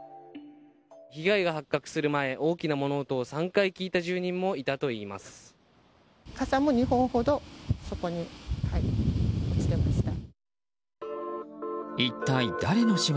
被害が発覚する前大きな物音を３回聞いた住人もいたといいます。